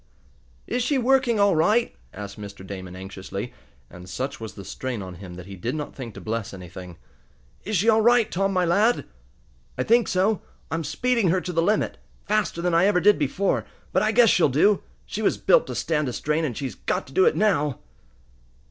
"Is she working all right?" asked Mr. Damon, anxiously, and, such was the strain on him that he did not think to bless anything. "Is she all right, Tom, my lad?" "I think so. I'm speeding her to the limit. Faster than I ever did before, but I guess she'll do. She was built to stand a strain, and she's got to do it now!"